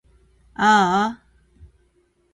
あーあ